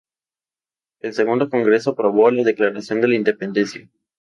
El segundo Congreso aprobó la Declaración de la Independencia.